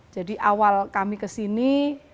jadi awal kami ke sini